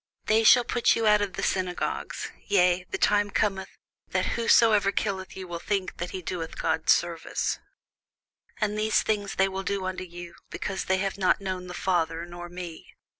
They shall put you out of the synagogues: yea, the time cometh, that whosoever killeth you will think that he doeth God service. And these things will they do unto you, because they have not known the Father, nor me.